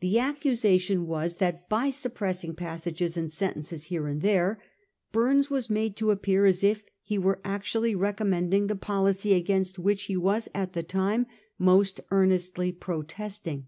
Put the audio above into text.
The accusation was that by suppressing passages and sentences here and there, Burnes was made to appear as if he were actually recommending the policy against which he was at the time most earnestly protesting.